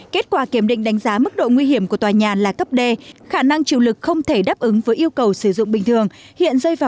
kết quả kiểm định đánh giá mức độ nguy hiểm của tòa nhà là cấp d khả năng chịu lực không thể đáp ứng với yêu cầu sử dụng bình thường